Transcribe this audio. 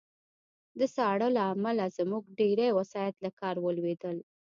د ساړه له امله زموږ ډېری وسایط له کار ولوېدل